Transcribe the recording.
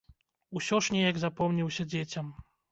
Усё ж неяк запомніўся дзецям.